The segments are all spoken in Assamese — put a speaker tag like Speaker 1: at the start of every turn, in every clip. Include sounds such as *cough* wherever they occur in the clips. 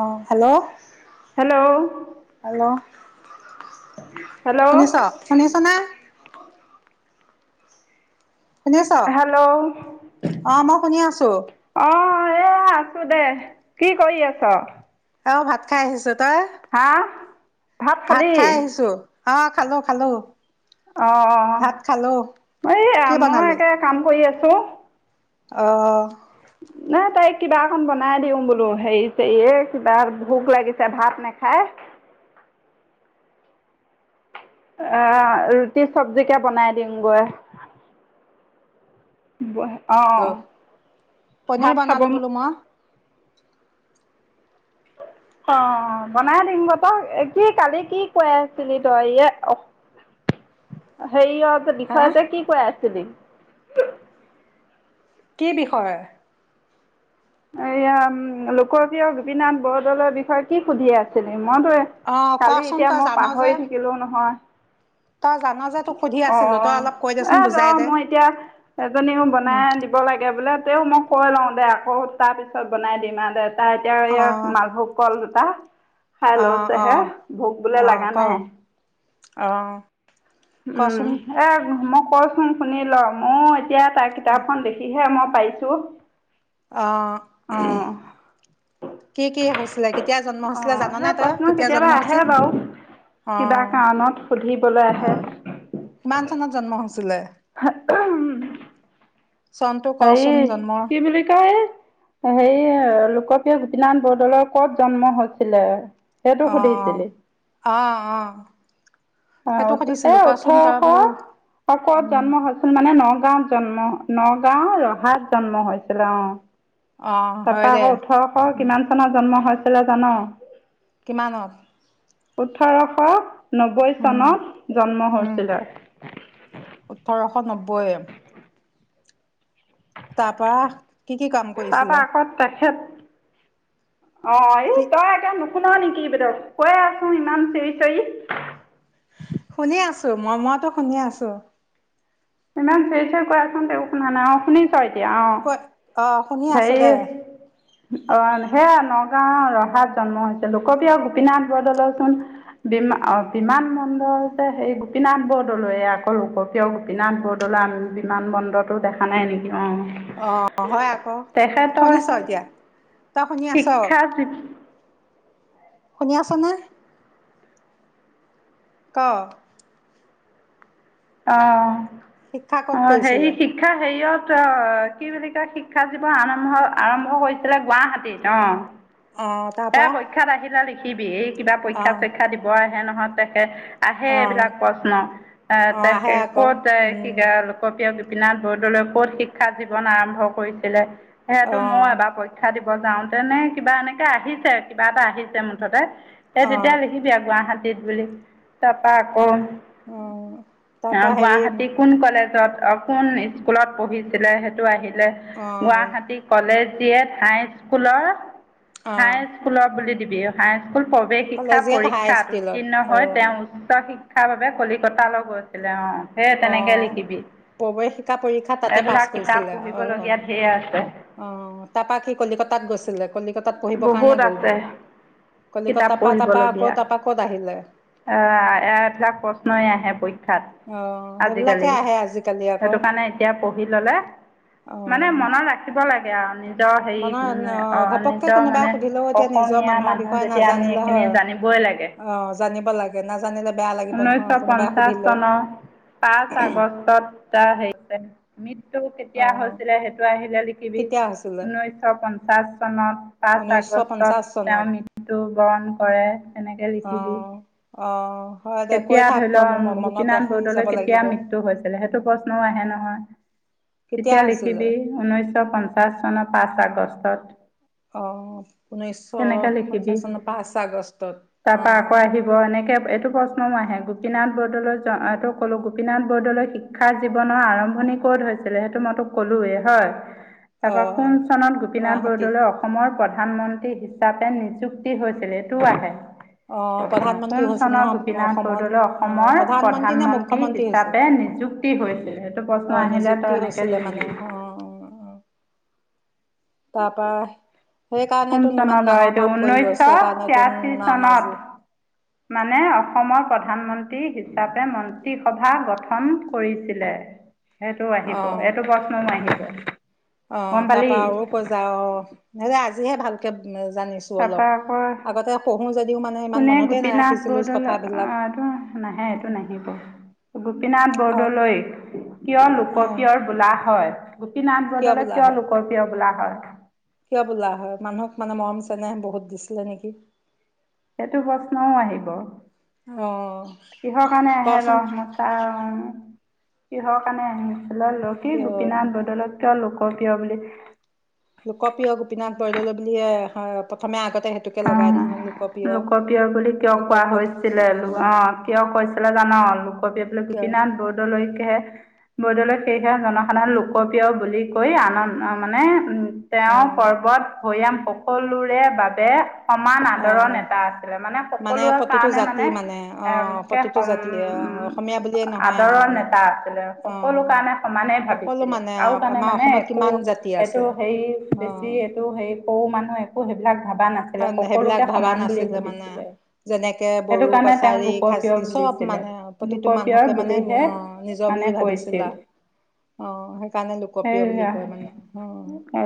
Speaker 1: অহ,
Speaker 2: হেল্ল'
Speaker 1: হেল্ল-হেল্ল'
Speaker 2: হেল্ল'
Speaker 1: শুনিছ-শুনিছ নে? শুনিছ,
Speaker 2: হেল্ল'
Speaker 1: অ মই শুনি আছোঁ।
Speaker 2: অ, এ আছো দে, কি কৰি আছ?
Speaker 1: অ, ভাত খাই আহিছো। তই
Speaker 2: হা, ভাত খালি?
Speaker 1: অহ, খালো-খালো।
Speaker 2: অ-অ, এই
Speaker 1: কি
Speaker 2: মই একে কাম কৰি আছো। আছোঁ।
Speaker 1: অহ
Speaker 2: নাই, তাইক কিবা অকন বনাই দিও বোলোঁ, হেৰি-চেৰিয়ে কিবা ভোক লাগিছে ভাত নাখাই। অহ, ৰুটি-চব্জিকে বনাই দিমগৈ। বে *unintelligible*
Speaker 1: হেল্ল' পনীৰ
Speaker 2: খাব
Speaker 1: বনালো বোলো মই।
Speaker 2: অ, বনাই দিম গৈ পায়, তই কি কালি কি, কৈ আছিলি তই ইয় হেৰিয়ত
Speaker 1: হা
Speaker 2: বিষয় যে কি কৈ আছিলি? অ
Speaker 1: কি বিষয়?
Speaker 2: এইয়া, উম, লোকপ্ৰিয় গোপীনাথ বৰদলৈৰ বিষয়ে কি সুধি আছিলি? মইতো
Speaker 1: অ
Speaker 2: কালি
Speaker 1: কচোন
Speaker 2: এতিয়া
Speaker 1: তই
Speaker 2: মই
Speaker 1: জান যে
Speaker 2: পাহৰি থাকিলো নহয়।
Speaker 1: তই জান যে তোক সুধি আছিলো
Speaker 2: অ-অ,
Speaker 1: তই অলপ কৈ দেচোন
Speaker 2: এ ৰ
Speaker 1: বুজাই দে
Speaker 2: মই এতিয়া এজনীও
Speaker 1: উম
Speaker 2: বনাই দিব লাগে বোলে তাতেও মই কৈ লওঁ দে, আকৌ তাৰ পিছত বনাই দিম আৰু দে এ এতিয়া
Speaker 1: অ
Speaker 2: ইয়াক মালভোগ কল তা খাই
Speaker 1: অ অ
Speaker 2: লৈ-চেহে ভোক বোলে
Speaker 1: অ
Speaker 2: লগা
Speaker 1: ক
Speaker 2: নাই।
Speaker 1: অ
Speaker 2: উম,
Speaker 1: কচোন
Speaker 2: এ মই কয়চো, শুনি ল মই এতিয়া তাৰ কিতাপখন দেখিহে মই। পাইছো।
Speaker 1: অহ।
Speaker 2: অ
Speaker 1: জাননে
Speaker 2: সেই
Speaker 1: তই
Speaker 2: প্ৰশ্ন
Speaker 1: কেতিয়া জন্ম
Speaker 2: কেতিয়াবা আহে
Speaker 1: হৈছিল?
Speaker 2: বাৰু কিবা
Speaker 1: অ',
Speaker 2: কাৰনত সুধিবলৈ আহে
Speaker 1: অ কিমান চনত জন্ম হৈছিলে?
Speaker 2: *unintelligible*
Speaker 1: চনটো
Speaker 2: হেৰি
Speaker 1: কচোন জন্মৰ
Speaker 2: কি বুলি কৈ সেই স লোকপ্ৰিয় গোপীনাথ বৰদলৈৰ কত জন্ম হৈছিলে? সেইটো সুধিছিলি
Speaker 1: অহ অহ অহ।
Speaker 2: এ ওঁঠৰশ শকত
Speaker 1: উম,
Speaker 2: জন্ম হৈছিল মানে নগাঁও জন্ম নগাঁও ৰহাত জন্ম হৈছিলে অ।
Speaker 1: অ', হয়
Speaker 2: তাপা
Speaker 1: দে
Speaker 2: আকৌ ওঠৰশ
Speaker 1: উম,
Speaker 2: কিমান চনত জন্ম হৈ চিলে জান?
Speaker 1: কিমানত?
Speaker 2: ওঠৰশ নবৈ
Speaker 1: উম,
Speaker 2: চনত জন্ম
Speaker 1: উম,
Speaker 2: হৈছিলে।
Speaker 1: বয়। কি কি কাম কৰিছিলে?
Speaker 2: তাৰপৰা আকৌ তেখেত অ এই
Speaker 1: কি
Speaker 2: তই একে শুন নেকি বেদ কৈ আছো ইমান চিৰি চিৰি।
Speaker 1: শুনি আছো ম-ময়তো শুনি আছো।
Speaker 2: ইমান চিঞৰি চিঞৰি কৈ আছোঁ তেওঁ শুনা নাই অ শুনি চ এতিয়া অ।
Speaker 1: ক অ', শুনি আছো দে।
Speaker 2: অ সেয়া নগাঁও ৰহাত জন্ম হৈছে লোকপ্ৰিয় গোপীনাথ বৰদলৈচোন বি-বিমান বন্দৰতে হৈছে সেই গোপীনাথ বৰদলৈয়ে আকৌ লোকপ্ৰিয় গোপীনাথ বৰদলৈৰ আমি বিমান বন্দৰতো দেখা নাই নেকি? অঁ
Speaker 1: অ', হয় আকৌ
Speaker 2: তেখেতৰ
Speaker 1: শুনিছ এতিয়া? তই শুনি আছ
Speaker 2: শিক্ষাত
Speaker 1: শুনি আছনে? ক
Speaker 2: অ
Speaker 1: শিক্ষা ক'ত
Speaker 2: অ
Speaker 1: কৰিছিলে
Speaker 2: হেৰি শিক্ষাৰ হেৰিয়ত অ কি বুলি কয় শিক্ষা জীৱন আৰম্ভ আৰম্ভ হৈছিলে গুৱাহাটীত অ।
Speaker 1: অ
Speaker 2: এ
Speaker 1: তাৰপা
Speaker 2: পৰীক্ষাত আহিলা লি কিবি এই কিবা
Speaker 1: অ
Speaker 2: পৰীক্ষা চৰীক্ষা দিব আ *unintelligible* তেখেত আহে
Speaker 1: অ
Speaker 2: এইবিলাক প্ৰশ্ন
Speaker 1: অ আহে
Speaker 2: এ
Speaker 1: আকৌ
Speaker 2: ক'ত যায়
Speaker 1: উম
Speaker 2: শিক্ষা লোক প্ৰিয় গোপীনাথ বৰদলৈ ক'ত শিক্ষা জীৱন আৰম্ভ কৰিছিলে।
Speaker 1: অ
Speaker 2: সেইটো মই এবাৰ পৰীক্ষা দিম। যাওঁতেনে কিবা এনেকে আহিছে কিবা এটা আহিছে মুঠতে। এ
Speaker 1: অ
Speaker 2: তেতিয়া লিখিবি গুৱাহাটীত। ত বুলি তাপৰা আকৌ
Speaker 1: অ তাৰপা হেৰি
Speaker 2: গুৱাহাটী কোন কলেজ। কোন স্কুলত পঢ়িছিলে সেইটো আহে। হে
Speaker 1: অ
Speaker 2: গুৱাহাটী কলেজ। এ হাই স্কুলৰ
Speaker 1: অ
Speaker 2: হাই স্কুলৰ বুলি দি ব্যৱসায় স্কুল প্ৰৱেশ শিক্ষা
Speaker 1: কলেজিয়েট হাই
Speaker 2: পৰীক্ষাত
Speaker 1: ষ্টিলত
Speaker 2: উত্তীৰ্ণ
Speaker 1: অ
Speaker 2: হৈ তেওঁ উচ্চ শিক্ষা উচ্চ শিক্ষাৰ বাবে কলিকতালৈ গৈছে। ছিলে অ'
Speaker 1: আহ প্ৰৱিকা পৰীক্ষা তাতে পাছ
Speaker 2: এইবিলাক কিতাপ
Speaker 1: কৰিছিলে আহ
Speaker 2: পঢ়িবলগীয়া ঢেৰ আছে
Speaker 1: আহ তাপা সি কলিকতাত গৈছিলে। কলিকতাত পঢ়িব
Speaker 2: বহুত
Speaker 1: কাৰণে
Speaker 2: আছে
Speaker 1: গ'লগৈ
Speaker 2: কিতাপ
Speaker 1: কলিকতাৰ পৰা তাপা
Speaker 2: পঢ়িবলগীয়া
Speaker 1: আকৌ তাপৰা ক'ত আহিলে।
Speaker 2: শিক্ষা
Speaker 1: অ সেইবিলাকে
Speaker 2: আজিকালি
Speaker 1: আহে আজিকালি আকৌ
Speaker 2: সেইটো কাৰণে এতিয়া পঢ়ি ল'লে মানে মনত ৰাখিব লাগে। বেয়া নে?
Speaker 1: মানত অ' ঘপককে কোনোবাই
Speaker 2: মানে
Speaker 1: সুধিলেও এতিয়া নিজৰ
Speaker 2: অসমীয়া
Speaker 1: মানুহৰ
Speaker 2: মানুহ
Speaker 1: বিষয়ে
Speaker 2: যেতিয়া আমি
Speaker 1: নাজানিলে
Speaker 2: এইখিনি
Speaker 1: হয়।
Speaker 2: জানিবই লাগে
Speaker 1: অ' জানিব লাগে নাজানিলে বেয়া লাগিব নহয়।
Speaker 2: ঊনৈছশ
Speaker 1: কোনোবাই
Speaker 2: পঞ্চাছ
Speaker 1: সুধিলো।
Speaker 2: চনৰ পাঁচ আগষ্টত। তা হেৰি বোলে মৃত্যু। মৃত্যু
Speaker 1: অ
Speaker 2: কেতিয়া হৈছিলে সেইটো আহিলে লিখিবি
Speaker 1: কেতিয়া হৈছিলে
Speaker 2: ঊনৈশশ পঞ্চাশ চনত পাঁচ
Speaker 1: ঊনৈছশ পঞ্চাশ
Speaker 2: আগষ্টত তেওঁ
Speaker 1: চনত
Speaker 2: মৃত্যুু বৰণ কৰে সেনেকে
Speaker 1: অ
Speaker 2: লিখিবি।
Speaker 1: অ' হয় দে কৈ
Speaker 2: কেতিয়া
Speaker 1: থাক
Speaker 2: ধৰিল
Speaker 1: তই মোৰ মনত
Speaker 2: গোপীনাথ
Speaker 1: ৰাখি যাব
Speaker 2: বৰদলৈ
Speaker 1: লাগিব
Speaker 2: কেতিয়া মৃত্যু হৈছিলে সেইটো প্ৰশ্নও আহে নহয়।
Speaker 1: কেতিয়া
Speaker 2: তেতিয়া
Speaker 1: হৈছিলে
Speaker 2: লিখিবি ঊনৈশ
Speaker 1: উম
Speaker 2: পঞ্চাশ চনৰ পাঁচ আগ পস্তাত
Speaker 1: অ' উঊনৈছশ পঞ্চ
Speaker 2: লিখিবি
Speaker 1: চনৰ পাঁচ আগষ্টত অ'
Speaker 2: তাৰপৰা আকৌ আহিব এনেকৈ এইটো ক আহে গোপীনাথ বৰদলৈটো ক'লো গোপীনাথ বৰদলৈ শিক্ষাৰ জীৱনৰ আৰম্ভণি ক'ত হৈছিলে সেইটো মই তোক ক'লোৱেই হয়।
Speaker 1: অ
Speaker 2: তাৰপৰা কোন চনত গোপীনাথ
Speaker 1: গুৱাহাটীত
Speaker 2: বৰদলৈ অসমৰ প্ৰধান। প্ৰধানমন্ত্ৰী হিচাপে নিযুক্তি হৈছিল এইটো আহে।
Speaker 1: অ' প্ৰধানমন্ত্ৰী হৈছিল নহ
Speaker 2: নাথ বৰদলৈ অসমৰ প্ৰধানমন্ত্ৰী
Speaker 1: মুখ্যমন্ত্ৰী হৈছিল
Speaker 2: হিচাপে নিযুক্তি হৈছে সেইটো প্ৰশ্ন
Speaker 1: অঁ
Speaker 2: আহিলে
Speaker 1: নিযুক্তি
Speaker 2: তই এনেকে
Speaker 1: হৈছিলে মানে
Speaker 2: লিখিবি
Speaker 1: তাৰপা,
Speaker 2: কোন চনত বাৰু এইটো,
Speaker 1: গৈছে কাৰণেতো
Speaker 2: ঊনৈস্য-ছিয়াশী
Speaker 1: নাম আজি
Speaker 2: চনত মানে অসমত, প্ৰধানমন্ত্ৰী হিচাপে মন্ত্ৰীসভা গঠন কৰিছিলে। সেইটোও আহিব, এইটো প্ৰশ্ন আহিব। *unintelligible* গম
Speaker 1: অ', তাৰ
Speaker 2: পালি
Speaker 1: পৰা আৰু ক'ত যা', আৰু নেজা। আজিহে ভালকে,
Speaker 2: তাৰপা আকৌ
Speaker 1: পঢ়োঁ যদিও মানে ইমান
Speaker 2: কোনে
Speaker 1: মনতে
Speaker 2: গোপীনাথ
Speaker 1: নাৰাখিছিলোঁ
Speaker 2: বৰদলৈ
Speaker 1: কথাবিলাক
Speaker 2: আহ', এইটো নাহে, এইটো নাহিব, গোপীনাথ
Speaker 1: আৰু
Speaker 2: বৰদলৈ কিয়
Speaker 1: অঁ
Speaker 2: লোকপিয়ল বোলা হয়? গোপীনাথ বৰদলৈ
Speaker 1: বোলা
Speaker 2: কিয়
Speaker 1: হয়
Speaker 2: লোকৰপ্ৰিয় বোলা হয়।
Speaker 1: কিয় বোলা হয়, মানুহক মানে মৰম চেনেহে বহুত দিছিলে নেকি।
Speaker 2: সেইটো প্ৰশ্নও আহিব,
Speaker 1: অঁ
Speaker 2: কিহৰ কাৰণে আহে ৰ
Speaker 1: কচোন
Speaker 2: মই চাওঁ। কিহৰ কাৰণে আহিব। *unintelligible*
Speaker 1: কিয়
Speaker 2: ক' ত কিয় বুলি,
Speaker 1: লোকপ্ৰিয় গোপীনাথ বৰদলৈ, বুলিয়ে প্ৰথমে আগতে,। সেইটোকে লগাই
Speaker 2: অ',
Speaker 1: নহয়
Speaker 2: লোকপ্ৰিয় বুলি কিয় কোৱা
Speaker 1: লোকপ্ৰ
Speaker 2: হৈছিলে
Speaker 1: অঁ
Speaker 2: অ', কিয় কৈছিল তে জান অলো *unintelligible* কপিয়ে পলে
Speaker 1: কিয়
Speaker 2: গোপীনাথ বৰদলৈক *unintelligible* সেয়হে বৰদলৈ সেয়হে জনসাধাৰণ লোকপ্ৰিয় বুলি কৈ, আন মানে উম। তেওঁ
Speaker 1: অঁ
Speaker 2: পৰ্বত। ভৈয়াম সকলোৰে বাবে। সমান আদৰৰ
Speaker 1: অঁ
Speaker 2: নেতা আছিলে মানে, সকলোৰে
Speaker 1: প্ৰতিটো
Speaker 2: কাৰণে
Speaker 1: জাতি
Speaker 2: মানে
Speaker 1: অঁ
Speaker 2: একে
Speaker 1: প্ৰতিটো জাতিয়ে অসমীয়া বুলিয়ে নহয় আৰু
Speaker 2: আদৰৰ
Speaker 1: মানে
Speaker 2: নেতা আছিলে। সকলো
Speaker 1: অঁ
Speaker 2: কাৰণে সমানেই
Speaker 1: সকলো
Speaker 2: ভাবিছিলে
Speaker 1: মানে
Speaker 2: কাৰো কাৰণে
Speaker 1: আমাৰ
Speaker 2: মানে
Speaker 1: অসমত
Speaker 2: একো
Speaker 1: কিমান জাতি
Speaker 2: এইটো
Speaker 1: আছে
Speaker 2: হেৰি বেছি
Speaker 1: অঁ
Speaker 2: এইটো হে সৰু মানুহ এক। আকৌ সেইবিলাক ভাবা।
Speaker 1: সেইবিলাক ভাবা নাছিলে মানে, যেনেকে
Speaker 2: সেইটো
Speaker 1: বড়ো
Speaker 2: কাৰণে তেওঁক
Speaker 1: কছাৰী
Speaker 2: লোকপ্ৰিয়
Speaker 1: খাচী চব
Speaker 2: বুলিছিলে
Speaker 1: মানে প্ৰতিটো
Speaker 2: লোকপ্ৰিয়
Speaker 1: মানুহকে মানে
Speaker 2: বুলিহে
Speaker 1: অহ নিজৰ
Speaker 2: মানে
Speaker 1: বুলি
Speaker 2: কৈছিল
Speaker 1: ভাবিছিলা অহ, সেইকাৰণে
Speaker 2: সেই
Speaker 1: লোকপ্ৰিয় বুলি কয় মানে অহ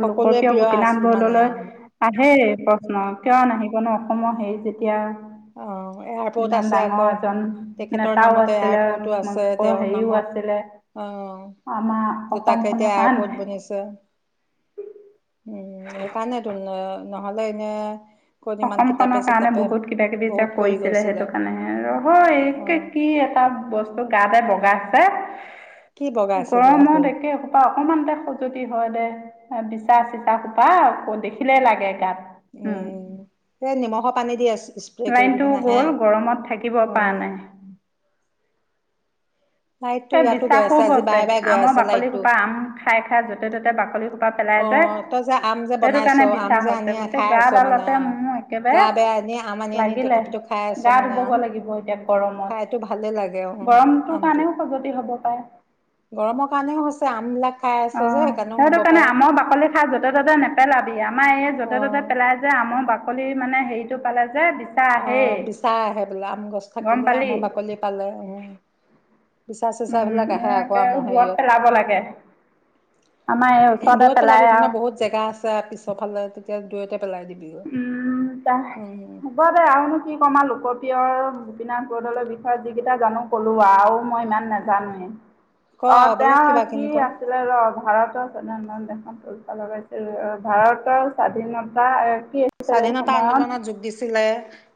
Speaker 1: সকলোৱে
Speaker 2: লোকপ্ৰিয়
Speaker 1: প্ৰিয়
Speaker 2: গোপীনাথ
Speaker 1: আছিল মানে,
Speaker 2: বৰদলৈ
Speaker 1: অহ।
Speaker 2: আহেই প্ৰশ্ন কিয় নাহিবন অসমৰ হেৰি যেতিয়া।
Speaker 1: অ এয়াৰপৰ্ট
Speaker 2: ইমান
Speaker 1: আছে
Speaker 2: ডাঙৰ
Speaker 1: আকৌ
Speaker 2: এজন
Speaker 1: তেখেতৰ
Speaker 2: নেতাও
Speaker 1: নামতে
Speaker 2: আছিলে
Speaker 1: এয়াৰপৰ্টো আছে, তেওঁৰ
Speaker 2: হেৰিও আছিলে
Speaker 1: নামত অ
Speaker 2: আমাৰ
Speaker 1: দুটাকে
Speaker 2: অসমখনৰ
Speaker 1: এতিয়া এয়াৰপৰ্ট
Speaker 2: কাৰণে
Speaker 1: বনিছে। সেইকাৰণে তো উন্নয়ন। নহ'লে এনে। ক'ত ইমান
Speaker 2: অসম
Speaker 1: কিতাপে
Speaker 2: খনৰ কাৰণে
Speaker 1: চিতাপে
Speaker 2: বহুত কিবা। সিহতি যে
Speaker 1: বহুত কৰি
Speaker 2: কৈছিলে
Speaker 1: গৈছিলে
Speaker 2: সেইটো কাৰণে নহয়
Speaker 1: অ
Speaker 2: একে কি এটা বস্তু। টো গাতে বগাইছে।
Speaker 1: কি বগাইছেগৈ আকৌ
Speaker 2: গৰমত একে সোপাহ। অকমানতে দে খজুৱতি হয় দে, বিচা চিচা সোপা দেখিলেই লাগে গাত। মোৰ
Speaker 1: উম। সেই নিমখৰ পানী দি আছে।
Speaker 2: লাইনটো গ'ল গৰমত থাকিব
Speaker 1: অ
Speaker 2: পৰা নাই।
Speaker 1: লাইটটো
Speaker 2: এই
Speaker 1: ইয়াতো গৈ
Speaker 2: বিচাহো
Speaker 1: আছে আজি
Speaker 2: গৈছে
Speaker 1: বাৰে বাৰে গৈ
Speaker 2: আমৰ
Speaker 1: আছে
Speaker 2: বাকলি
Speaker 1: লাইটটো
Speaker 2: সোপা আম খাই খাই যতে ত'তে বাকলি সোপা। পেলাই
Speaker 1: অ
Speaker 2: যে
Speaker 1: তই যে, আম যে
Speaker 2: সেইটো
Speaker 1: বনাইছ
Speaker 2: কাৰণে
Speaker 1: আম
Speaker 2: বিচা
Speaker 1: যে
Speaker 2: হৈছে
Speaker 1: আনি
Speaker 2: গোটেই
Speaker 1: খাই আছ মানে
Speaker 2: গাডালতে
Speaker 1: আহ
Speaker 2: মোৰ
Speaker 1: গা
Speaker 2: একেবাৰে
Speaker 1: বেয়া আনি আম আনি আনি
Speaker 2: লাগিলে
Speaker 1: তথাপিতো খাই আছ
Speaker 2: গা
Speaker 1: মানে আৱ
Speaker 2: ধুবগৈ লাগিব এতিয়া গৰমত
Speaker 1: খাইতো ভালে লাগে অঁ
Speaker 2: গৰমটোৰ
Speaker 1: আমটো।
Speaker 2: কাৰণেও খজুৱতি হ'ব পাৰে
Speaker 1: গৰমৰ কাৰণেও হৈছে আমবিলাক। খাই আছো যে
Speaker 2: অঁ
Speaker 1: সেইকাৰণেও
Speaker 2: সেইটো
Speaker 1: হ'ব
Speaker 2: কাৰণে
Speaker 1: পাৰে।
Speaker 2: আমৰ বাকলি খাই য'তে ত'তে নেপেলাবি। আমাৰ এইয়া
Speaker 1: অ
Speaker 2: যতে ততে পেলাই যে আমৰ বাক। বাকলি মানে হেৰিটো পালে। যে বিচা
Speaker 1: অহ
Speaker 2: আহেই
Speaker 1: বিচা আহে বোলে আম গছ
Speaker 2: গম
Speaker 1: থাকিলে
Speaker 2: পালি
Speaker 1: আমৰ বাকলি পালে উম। বিচা চিচা,
Speaker 2: উম,
Speaker 1: বিলাক আহে আকৌ
Speaker 2: একে
Speaker 1: আম
Speaker 2: দূৰত
Speaker 1: হেৰিয়ত
Speaker 2: পেলাব লাগে আমাৰ এই ওচৰতে
Speaker 1: দূৰত
Speaker 2: পেলাই
Speaker 1: পেলাবি তেনে
Speaker 2: আৰু
Speaker 1: বহুত জেগা আছে পিছৰফালে, তেতিয়া দুৰটে।
Speaker 2: উম ত হ'ব দে, আৰুনো কি কম আৰু লোকৰ। পিয়ৰ গোপিনাথ বদলৈৰ বিষয়ে যি কেইটা জানো ক'লো আৰু, মই ইমান নাজানোৱে
Speaker 1: ক
Speaker 2: অ
Speaker 1: আৰু বেলেগ
Speaker 2: তেওঁ
Speaker 1: কিবা
Speaker 2: কি
Speaker 1: কিনি ক
Speaker 2: আছিলে ৰ, ভাৰতৰ স্বাধীনতা দেশত উৎপাত হৈছিল ভাৰতৰ স্বাধীনতা, কি আছিলে এই
Speaker 1: স্বাধীনতা
Speaker 2: সময়ত
Speaker 1: আন্দোলনত যোগ দিছিলে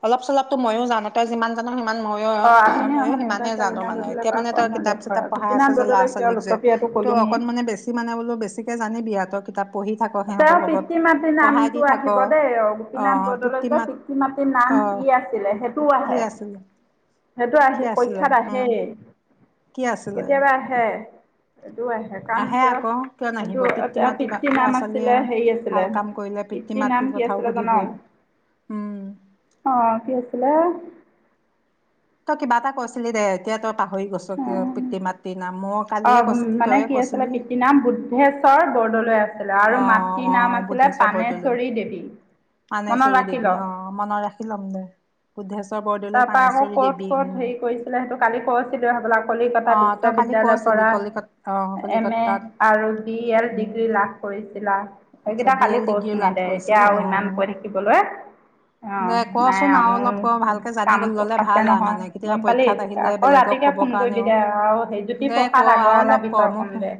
Speaker 1: অলপ চলপ, ত ময়ো জানো তই যিমান জান, মইয়ো
Speaker 2: অঁ আধুনিক
Speaker 1: মইয়ো
Speaker 2: অসম নিৰ্মাতা
Speaker 1: সিমানে জানো
Speaker 2: হিচাপে গোপীনাথ
Speaker 1: মানে
Speaker 2: বৰদলৈ
Speaker 1: এতিয়া
Speaker 2: কৰা
Speaker 1: মানে তই
Speaker 2: কৰ্ম
Speaker 1: কিতাপ
Speaker 2: দেশৰ
Speaker 1: চিতাপ পঢ়াই আছ
Speaker 2: গোপীনাথ
Speaker 1: যে ল'ৰা
Speaker 2: বৰদলৈ কিয়
Speaker 1: ছোৱালীক যে
Speaker 2: লোকপ্ৰিয়টো
Speaker 1: তো
Speaker 2: ক'লোঙেই
Speaker 1: অকন মান বেছি মানে বোলো বেছি, জানে বিয়াাত কিতাপ। পঢ়ি থাক
Speaker 2: তেওঁ
Speaker 1: সিহঁতৰ লগত
Speaker 2: পিতৃ মাতৃৰ
Speaker 1: পঢ়াই দি
Speaker 2: নামটো
Speaker 1: থাক
Speaker 2: আহিব দেই গোপীনাথ
Speaker 1: আহ
Speaker 2: বৰদলৈ যে,
Speaker 1: মাত
Speaker 2: পিতৃ মাতৃৰ নাম
Speaker 1: আহ
Speaker 2: কি আছিলে সেইটোও
Speaker 1: কি
Speaker 2: আহে।
Speaker 1: আছিলে
Speaker 2: সেইটো
Speaker 1: কি
Speaker 2: আহি
Speaker 1: আছিলে
Speaker 2: পৰীক্ষাত
Speaker 1: অ কি
Speaker 2: আহে।
Speaker 1: আছিলে
Speaker 2: কেতিয়াবা আহে। এইটো কাম
Speaker 1: আহে
Speaker 2: কিয়
Speaker 1: আকৌ কিয়
Speaker 2: এইটো
Speaker 1: নাহিব
Speaker 2: এতিয়া
Speaker 1: মাতৃ বা
Speaker 2: পিতৃ
Speaker 1: ল'ৰা
Speaker 2: নাম আছে আছিলে
Speaker 1: ছোৱালীয়েও
Speaker 2: হেৰি আছিলে,
Speaker 1: ভাল কাম কৰিলে
Speaker 2: পিতৃ নাম
Speaker 1: মাতৃৰ
Speaker 2: কি
Speaker 1: কথাও
Speaker 2: আছিলে জান অ
Speaker 1: সুধিবই উম
Speaker 2: কি আছিলে
Speaker 1: তই কিবা এটা কৈছিলি। দে এতিয়া তই পাহৰি গছ পিতৃ মাতৃ নাম, মই
Speaker 2: অ
Speaker 1: কালিয়ে কৈছিলি
Speaker 2: মানে
Speaker 1: তইয়ে
Speaker 2: কি আছিলে
Speaker 1: কৈছিলি
Speaker 2: পিতৃ নাম বুদ্ধেশ্বৰ বৰ্ডলৈ আহছে
Speaker 1: আহ আহ বুদ্ধেশ্বৰ বৰদলৈ
Speaker 2: পানেশ্বৰী দেৱী মনত
Speaker 1: মানেশ্বৰী
Speaker 2: ৰাখি
Speaker 1: দেৱী,
Speaker 2: ল
Speaker 1: আহ মনত ৰাখি লম দে। বুদ্ধচৰ
Speaker 2: তাৰ পৰা আকৌ ক'ত কত হেৰি কৰিছিলে সেইটো কালি কছিলো কলিকতা
Speaker 1: অ তই কালি
Speaker 2: বিশ্ববিদ্যয়ালয়ৰ
Speaker 1: কৈছিলি
Speaker 2: পৰা
Speaker 1: কলিকতা অ
Speaker 2: এম এ
Speaker 1: কলিকতাত
Speaker 2: আৰু বি এল
Speaker 1: উম
Speaker 2: ডিগ্ৰী লাভ কৰি। া
Speaker 1: আচ্ছা
Speaker 2: এইকেইটা
Speaker 1: বি
Speaker 2: খালি
Speaker 1: এল ডিগ্ৰী
Speaker 2: কৰচোে
Speaker 1: লাভ
Speaker 2: দে এতিয়া
Speaker 1: কৰিছিলে
Speaker 2: আৰু
Speaker 1: অ
Speaker 2: ইমান কৈ থাকিবলৈ অ
Speaker 1: দে
Speaker 2: নাই
Speaker 1: কচোন আৰু
Speaker 2: আৰুমোৰ
Speaker 1: অলপ ক ভালকে জানি
Speaker 2: কাম
Speaker 1: ললে
Speaker 2: আছে
Speaker 1: ভাল আৰু
Speaker 2: নহয়
Speaker 1: মানে কেতিয়াবা
Speaker 2: গম পালি
Speaker 1: পৰীক্ষাত আহিলে
Speaker 2: আকৌ
Speaker 1: বেলেগক
Speaker 2: ৰাতিকে
Speaker 1: ক'ব
Speaker 2: ফোন কৰিবি
Speaker 1: কাৰণেও
Speaker 2: দে আৰু সেই
Speaker 1: দে ক
Speaker 2: জ্যোতিপ্ৰসাদ
Speaker 1: আৰু
Speaker 2: আগৰৱালাৰ
Speaker 1: অলপ ক
Speaker 2: বিষয়ে
Speaker 1: মই
Speaker 2: কম
Speaker 1: শু-
Speaker 2: দে,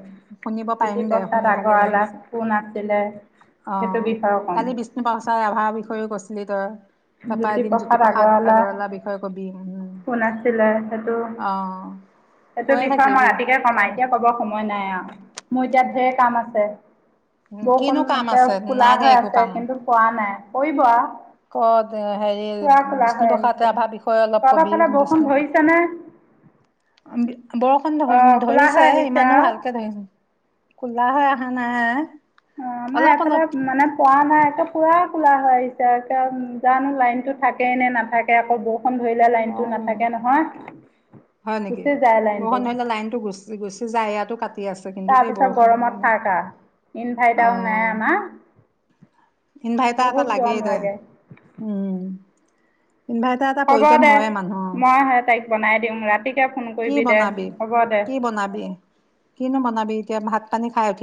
Speaker 1: শুনিব পাৰিম দে
Speaker 2: জ্যোতিপ্ৰসাদ
Speaker 1: শুনি ভালে
Speaker 2: আগৰৱালা
Speaker 1: লাগিছে
Speaker 2: কোন আছিলে
Speaker 1: অ
Speaker 2: সেইটো বিষয়ে ক'ম
Speaker 1: কালি বিষ্ণুপচাৰ ৰাভাৰ বিষয়েও কৈছিলি। উম।
Speaker 2: জ্যোতিপ্ৰসাদ আগৰৱালা
Speaker 1: বিষয়ে কবি উম,
Speaker 2: কোন আছিলে সেইটো
Speaker 1: অ'।
Speaker 2: সেইটো
Speaker 1: কৈয়ে
Speaker 2: বিষয় মই
Speaker 1: থাকিবি
Speaker 2: ৰাতিকে কমাই
Speaker 1: তই,
Speaker 2: এতিয়া কব সোন মই নাই মোৰ এতিয়া ঢেৰ কাম আছে।
Speaker 1: উম,
Speaker 2: বৰ
Speaker 1: কিনো কাম
Speaker 2: সোনকে
Speaker 1: আছে
Speaker 2: কোলা
Speaker 1: নাই দে
Speaker 2: হৈ
Speaker 1: একো
Speaker 2: আছে
Speaker 1: কাম।
Speaker 2: কিন্তু খোৱা নাই। কৰিবিব।
Speaker 1: কত হেৰি বিষ্ণুপসাদ
Speaker 2: আহিছে
Speaker 1: এভাৰ বিষয়ে অলপ
Speaker 2: তহঁতৰ
Speaker 1: কবি
Speaker 2: ফালে বৰষুণ ধৰিছেনে
Speaker 1: বিষ্ণুপসাদ, বৰষুণ ধ
Speaker 2: অঁ ক'লা হৈ
Speaker 1: ধৰিছে
Speaker 2: আহিছে
Speaker 1: ইমানো
Speaker 2: আৰু
Speaker 1: ভালকে ধৰিছে কোলা হয় খ না হ
Speaker 2: অ আমাৰ এফালে মানে পোৱা নাই একে পুৰা কোলা হৈ আহিছে তি জানো লাইনতো থাকে নে নাথাকে, আকৌ বহুত খন ধৰিলে লনত
Speaker 1: অ'
Speaker 2: নাথাকে নহয়।
Speaker 1: হয় নেকি?
Speaker 2: গুচি যায়
Speaker 1: বৰষ
Speaker 2: লাইনটো
Speaker 1: ধৰিলো লাইনতটো গুচি গুচি যায় এয়াতো কাট
Speaker 2: তাৰ পিছত গৰমত থাকা আ
Speaker 1: অ, ইনভাৰ্টাৰ এটা
Speaker 2: বহুত
Speaker 1: লাগেই
Speaker 2: গৰম
Speaker 1: দে,
Speaker 2: লাগে
Speaker 1: উম *inaudible* ইনভাৰ্টাৰ এটা
Speaker 2: হ'ব
Speaker 1: প্ৰয়োজন
Speaker 2: দে
Speaker 1: হয় মানুহৰ
Speaker 2: মই সেই তাইক বনাই দিম ৰাতিকে ফোন
Speaker 1: কি
Speaker 2: কৰিবি দে
Speaker 1: বনাবি
Speaker 2: হ'ব দে
Speaker 1: কি বনাবি কিনো বনাবি এতিয়া ভাত। পানি খাইঠি।